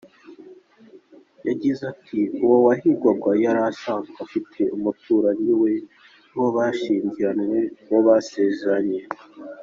Yagize ati “Uwo wahigwaga yari asanzwe afite umuturanyi we, uwo bashyingiranywe, uwo basenganye.